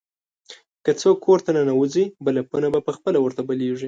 که څوک کور ته ننوځي، بلپونه په خپله ورته بلېږي.